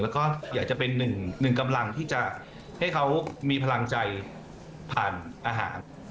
แล้วก็อยากจะเป็นหนึ่งกำลังที่จะให้เขามีพลังใจผ่านอาหาร